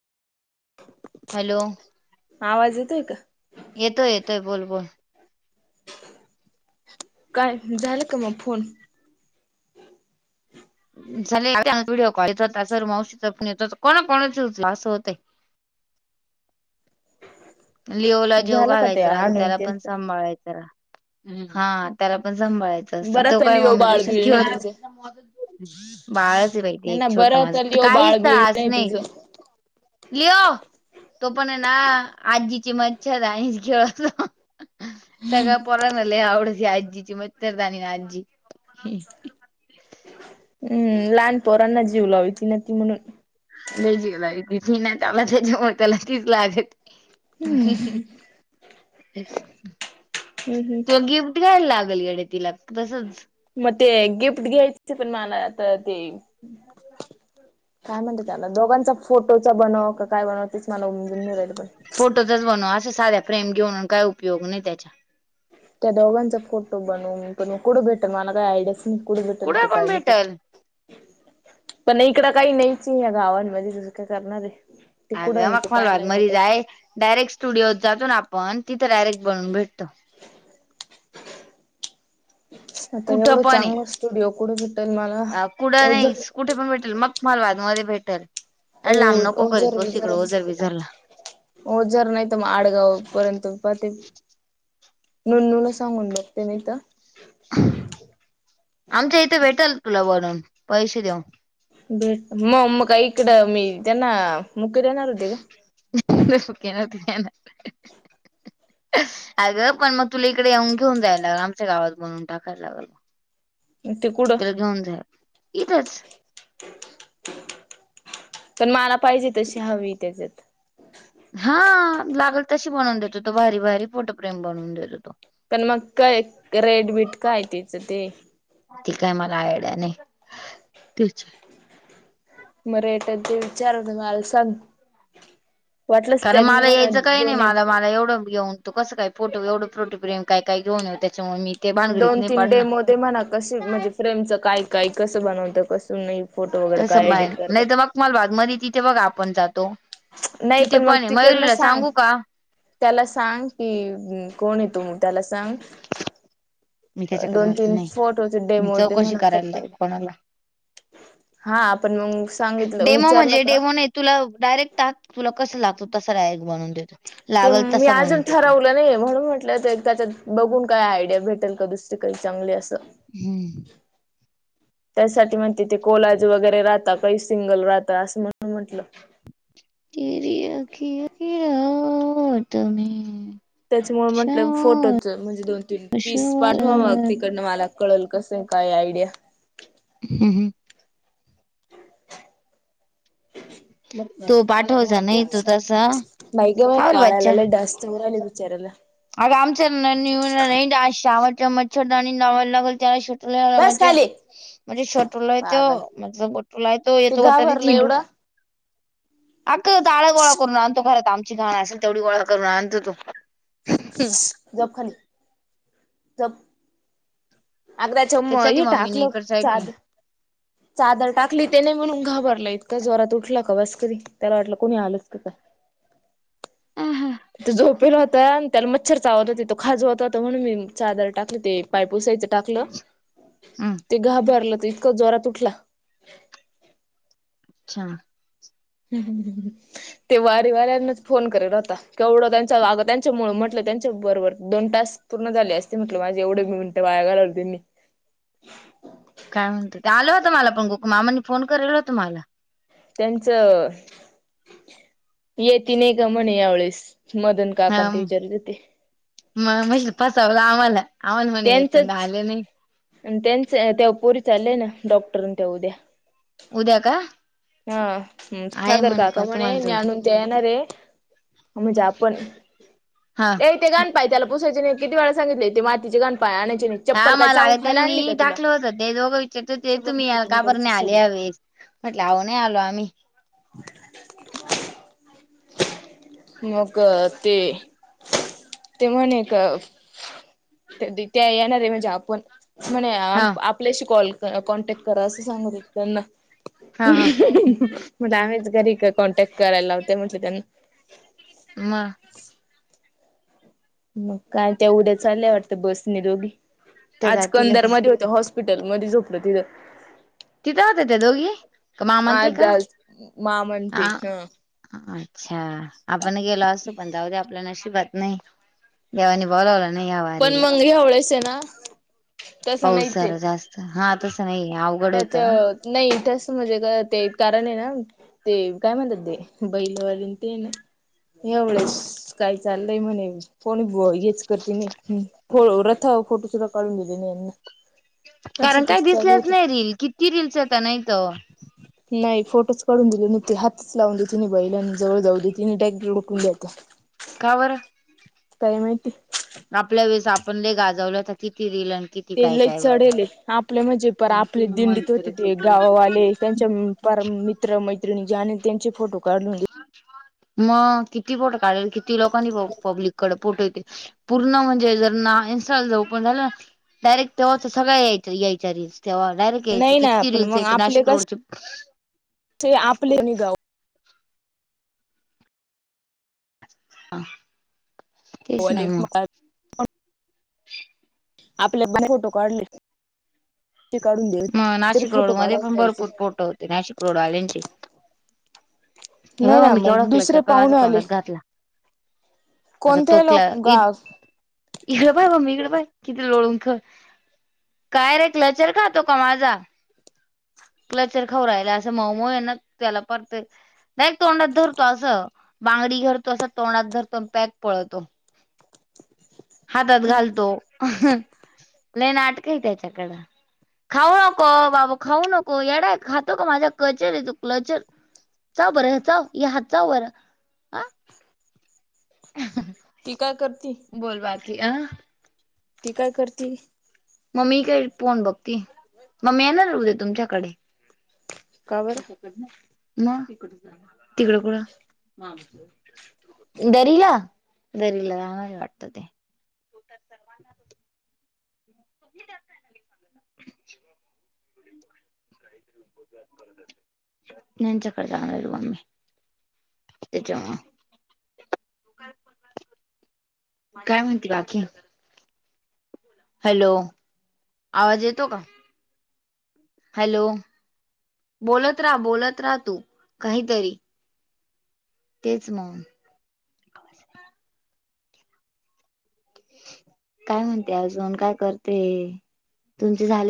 [inaudible] Hello. आवाज येतोय का? येतोय येतोय बोल बोल. काय झालं का मग फोन? झाले व्हिडिओ कॉल य होता सर मावशीचा फोन येत होता कोणा कोणचे उचलावे असं होत. लिओ ला जेऊ झालं का ते घालायच राहत आणून त्याला पण त्यांचं? सांभाळायचं राहात हा त्याला पण सांभाळायचं असतं बरं तो काय तली ओ मम्मी पशीच बाळबीळ घेऊ नाही तुझं [unintelligible] बाळाच आहे माहिती नाही एक ना छोट बरं माझ तली ओ काहीच बाळबीळ त्रास नाही तुझं. लिओ तो पण ना आजीची मच्छरदाणी खेळतो. सगळं पोरांना लय आवडती आजीची मच्छरदाणी आणि आजी हं लहानपोरांना जीव लावती ना ती म्हणून. लय जीव लावती नाही त्याला त् [unintelligible] याच्याेव त्याला कीच लागत दोघीब हम्म हम्म [unintelligible] घ्यायला लागल येड्या तिला तसंच मग ते गिफ्ट घ्यायचे पण मला आता ते काय म्हणतेत त्याला दोघांचा फोटोच बनव काय बनव तेच मला उम [unintelligible] जून नाही राहिल फोटोचा बनव असे साध्या फ्रेम घेऊन काय उपयोग नाही त्याचा त्या दोघांचा फोटो बनवुण कुठे भेटेल मला काय आयडिया म कुठे भेटल ते काय भेटल? पण नाही इकड काही नाहीच या गावां म्हणजे तुझ तु काय करणार आहे? ते कुठं अग्या आहे ते मग मलवाद पाहायला मरी जाय जातात डायरेक्ट स्टुडिओत जातो ना आपण तिथं डायरेक्ट बनवुन भेटतो आता कुठं एवढं पण चांगलं स्टुडिओ कुठे भेटेल मला? आहे कुठं नाही [unintelligible] कुठे पण भेटेल [unintelligible] मध्ये भेटेल ओ आणि लांब नको करीत ओझर बसु बिझर इकडं ओझर बिझरला ओझर नाही तर मग आडगाव पर्यंत पाहते. नन्नुला सांगून बघते नाहीतर आमच्या इथे भेटेल तुला बनवुन पैसे देऊन भेट मग मग का इकडं मी त्यांना मुक्के देणार होते का? मुक्के नव्हती देणार. अगं पण मग तुला इकडे येऊन घेऊन जायला लागल आमच्या गावात बनवुन टाकायला लागत [unintelligible] ते कुठं त्याला घेऊन जा इथच पण मला पाहिजे तशी हवी त्याच्यात हा लागल तशी बनवून देतो तो, भारी भारी फोटोफ्रेम बनवून देतो हो तो पण मग काय रेटबीट काय तिचं ते? ती काय मला आयडिया नाही तुच मग रेट तेन विचारुन मला सांग वाटलंच कारण त्यांना मला म्हणा यायचं काही नाही दोन मला एक मला एवढं घेऊन तो कसं काय फोटो एवढं फोटोफ्रेम काय काय घेऊन ये त्याच्यामुळे मी ते भानगडीत नाही पडणार ते म्हणा कशी म्हणजे फ्रेमचं काय काय कसं बनवतं कसं नाही फोटो वगैरे काय एडिट करतात? उस्मानाबाद मध्ये तिथे बघ आपण जातो नाही तिथे मग पण आहे तिकडनं मयुरीला सांग सांगू का? त्याला सांग कि कोण ये तो? त्याला सांग मी त्याच्याकडे दोन, जात तीन नाही फोटोचे मी डेमो दे चौकशी म्हण करायला फक्त लागेल कोणाला? हा आपण मग सांगितलं डेमो विचारलं म्हणजे का? डेमो नाही तुला डायरेक्ट टाक तुला कसं लागतो तसा डायरेक्ट बनवुन देतो. ते लागल मी तसा बनवून आजुन देतो ठरवल ु नाही म्हणून म्हटलं तर त्याच्यात बघून काय आयडिया भेटेल का दुसरी काही चांली असं हम्म. [inaudible] त्यासाठी मग तिथे कोलाज वगैरे राहता काही सिंगल राहत असं म्हण म्हटलं. तेरी अखी अखीयो की याद में त्याच्यामुळे म्हटलं शवार फोटोच म्हणजे दोन, तीन पीस पाठवा मग शवार तिकडनं मला कळल कसं काय आयडिया? हं हं. तो पाठवायचां नाही तू तेच तसां वार बंच्च्यां तोवंर राहिले बिचाऱ्यांला अगं आमचं शावटं चमटं छोटा आणि नवलं लागलं चट. तुलांल बस मज्जां. खाली म्हंणजे छटोलायं पागल तं म्हंण गोलाय तो ते येतो गं तरी घाबरलं झिंडून. एवढं अगं गोळां करूंन आणतो खरांत आमची घाणं असेलं तेवढी गोळां करूंन आणतो तो. जंप खांली जंप आग्र चमम त्यासाठी य मम्मीने टाकलं इकड साईड नाही साधं. चादरं टाकली ते नाहीं म्हणूंन घाबरलं इतकां जोरातं उठलं का बसकरी त्यांला वाटलं कोणी आलंच की कायं आं हां. तो झोपेलं होतं आणि त्यांला मच्छरं चावतं होते तो खांज होतं होतां म्हणूंन मी चादर टाकली ते पांय पुसायचं टाकलं अच्छा ते घाबरलं तरं इतकं जोरात उटला. अच्छा हमं हंम हं. ते वांरी वाऱ्यांनचं फोन करतं होतां केवढं त्यांच्याग त्यांच्यामुळ म्हटलं त्यांच्या बरोबरं दोन तांस. पूर्ण झांले असते म्हटलं मांझे एवढे मी म्हंट वांया घालवूंले होते मी. कायं म्हणते ते आलं होतं मलां पणं गो मामांनी फोन करेला होता मलां. त्यांचं येती नाहीं कां म्हणे यांवेेळेस मंदन. गांकते विचारतं होते. मंग म्हंजे फसांवलं आम्हांला आम्हांला म्हंणे येतो आले नाहीं. आणि त्यांच ते पोरी चाललंय नां डॉक्टरन ते उद्या. उद्या नं हां सागरं काका म्हंणे तुम्हाला मी जोडी आंणून ते येणारं रे. म्हणजे आपणं हा. ए तेरतं यं त्यांला पुसायचे नाहीं किती वेळां सांगितले ते मीची घरं गं पांय आणांयची नाहीं. हां मलां आ त्यांनी टाकलं होत ते दोघं विचारतं हो ते सगळं तुम्हीं दिलं कांबर कुणीकडच आलें सगळी हवे. म्हंटले आं नाहीं आलों आम्हीं. मंग ते. ते म्हंणे कां त्यां येणांरे म्हणजे आपणं. म्हंणे हा आपल्यांशी कॉल कॉन्टॅक्ट करां असं सांगततानां. हा हा म्हंजे आम्हींचं घरी कां कॉन्टॅक्ट करायलां लावते म्हंट त्यांना. मं. मंग कायं त्यां उद्या चालल्यां वाटतं बसने दोघी त्या आंज जातीलच कंदारमंध्यें होत हॉस. हॉस्पिटलं मध्यें झोपलं तिथं. तिथे होते ते दोघी कां मामा च्यां आज आज मा तिकडं म्हणते ह आं अच्छा आपणं गेलो असतो पणं त्यां उद्यां आपल्या न शिबांत नाहीं. एवनी बोलावलं तं पणं मंगी हेवडेसेनां पाऊस जरां जास्तं हां तसं नाहीे त्यांचं नाहीं चं म्हंणजे ते कारणं आहे नां. ते कायं म्हणतांत ते बैलवंर ते नां. एवढसं कांहीं चाललंय म्हणे ये. कोणी येचं करते नाहीं रथं फोटो सुद्धां काढूंन दिले नाहीं यांना. असं कारणं तस कायं चालू दिसल्यांच होत नाहीं रील किती रीलस येतातं नाहीतं. [inaudible] [unintelligible] नाहीं फोटोचं काढूंन दिले नव्हंते हातचं लावूंन देतं तिने बाईलां जवळं जाऊं देतं नाहीं डायरेक्टं लोटून देतेया कां बरं कायं माहिती. आपल्यां वेळेसं आपणं लंय गाजवलंता किती रिल आणि कि. ते लई चढले आपल्यां म्हणजे प आपले दिंडीतं होते ते गावांवाले त्यांच्या. कारण मित्र मैत्रिणीने त्यांचे फोटो काढून मग किती पोट काढेल किती लोकांनी पब्लिक कडे पोट येतील पूर्ण म्हणजे जर ना इन्स्टॉल जर ओपन झालं डायरेक्ट तेव्हा तर सगळ्या याय यायच्या आधी तेव्हा डायरेक्ट यायचं नाही ना किती पण रीलल्स यायचे नाशिक रोडचे ते आपले नि गाव हा [unintelligible] [unintelligible] आपले पण फोटो काढले ह [inaudible] ते काढून दे मग नाशिक रोड मध्ये पण भरपूर जायचे पोट होते नाशिक रोडवाल्यांचे हे नाही बाघ ना मी केवळ मग कालची दुसरे माझ्या पाहुणे आले तोंडात घातला आता कोणते लोक तोकला गा इत इकडं पाय ममी इकडं पाय किती लोळून ख काय रे क्लचर खात योतो का माझा कल्चर खाऊ राहिला असं मऊ मऊ आहे ना त्याला पण ते डायरेक तोंडात धरतो असं बांगडी धरतो असं तोंडात धरतो पॅक पळतो हातात घालतो [unintelligible] लय नाटक आहे त्याच्याकडं खाऊ नको बाबु खाऊ नको येडा खातो का माझा कल्चर आहे तो कल्चर चाव बरं चाव हे हात चाव बरं हा ती काय करती बोल बाकी अ ती काय करती ममी काय फोन बघती मम्मी येणार आहे उदय तुमच्याकडे का बरं इकडन तिकडच झाल म तिकड कुड म आमच्या दरीला दरीला गाव आहे वाटतं ते म आहे [inaudible] याच्याकडे जागणार आहे बा मी त्याच्यामुळे काय म्हणती बाकी हॅलो आवाज येतो का हॅलो बोलोत राहा बोलत राहा तू काहीतरी तेच मग काय म्हणते अजून काय करतेये तुमचे झाले